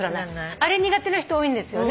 あれ苦手な人多いんですよね。